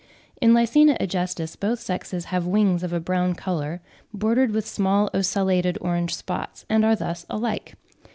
In Lycaena agestis both sexes have wings of a brown colour, bordered with small ocellated orange spots, and are thus alike.